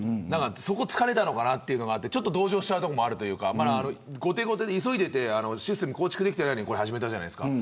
そこを突かれたのかなというのがあって同情しちゃうところもあるというか後手後手で急いでてシステムを構築できていないのに始めたじゃないですか。